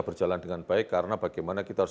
berjalan dengan baik karena bagaimana kita harus